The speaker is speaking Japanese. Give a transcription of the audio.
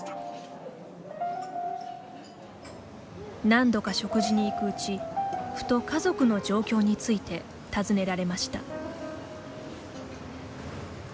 何度か食事に行くうちふと家族の状況について尋ねられました。